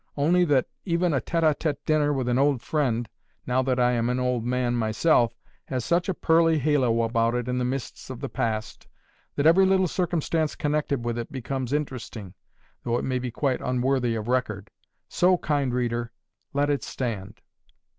Only that even a tete a tete dinner with an old friend, now that I am an old man myself, has such a pearly halo about it in the mists of the past, that every little circumstance connected with it becomes interesting, though it may be quite unworthy of record. So, kind reader, let it stand.